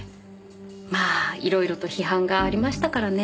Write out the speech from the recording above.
まあ色々と批判がありましたからね。